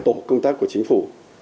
tổng công tác của chính phủ